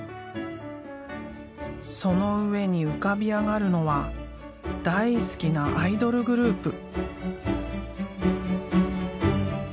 その上に浮かび上がるのは大好きなアイドルグループ。